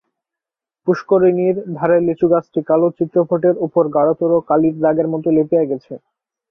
পুষ্করিণীর ধারের লিচুগাছটি কালো চিত্রপটের উপর গাঢ়তর কালির দাগের মতো লেপিয়া গেছে।